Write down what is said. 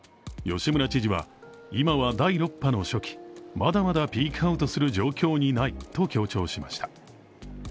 吉村知事は、今は第６波の初期まだまだピークアウトする状況にないと強調しました。